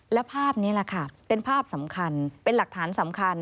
และภาพนี้แหละค่ะเป็นภาพสำคัญเป็นหลักฐานสำคัญ